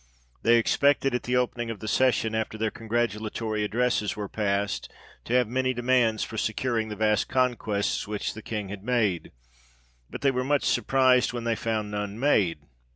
They expected at the opening of the session, after their congratulatory addresses were past, to have many demands for securing the vast conquests which the King had made ; but they were much surprised, when they found none made.